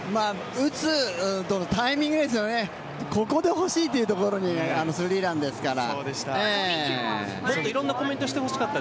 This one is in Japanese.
打つタイミングですよね、ここで欲しいというところにあのスリーランですから。